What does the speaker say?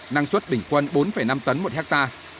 năng suất bình quân bốn năm tấn một hectare